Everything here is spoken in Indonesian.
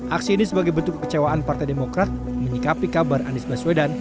aksi ini sebagai bentuk kekecewaan partai demokrat menyikapi kabar anies baswedan